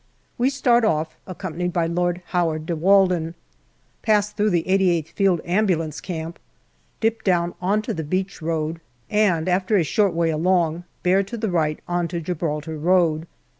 We start off, accompanied by Lord Howard de Walden, pass through the 88th Field Ambulance camp, dip down on to the beach road, and after a short way along bear to the right on to Gibraltar road.